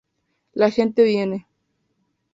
La gente viene.